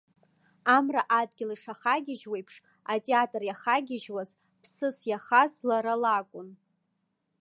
Амра адгьыл ишахагьежьуеиԥш, атеатр иахагьежьуаз, ԥсыс иахаз лара лакәын.